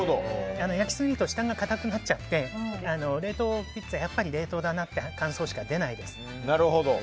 焼きすぎると下が硬くなっちゃって冷凍ピッツァ、やっぱり冷凍だなという感想しか出ないです。